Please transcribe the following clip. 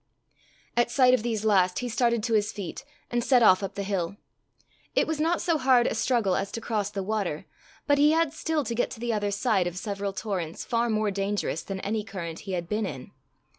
At sight of these last he started to his feet, and set off up the hill. It was not so hard a struggle to cross the water, but he had still to get to the other side of several torrents far more dangerous than any current he had been in.